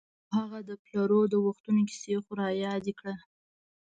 خو هغه د پلرو د وختونو کیسې خو رایادې کړه.